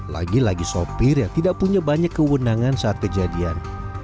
lagi lagi sopir yang tidak punya banyak kewenangan saat kejadian